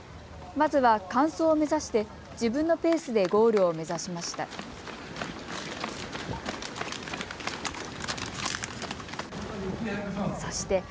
まずは完走を目指して自分のペースでゴールを目指しました。